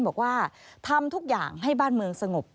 บอกว่าทำทุกอย่างให้บ้านเมืองสงบ